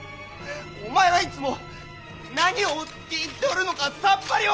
お前はいつも何を言っておるのかさっぱり分からん！